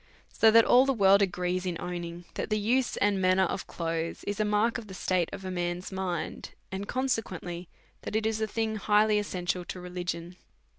So that all the world agree in owning that the use and man ner of clothes is a mark of the state of a man's mind_, and consequently, that it is a thing highly essential to religion.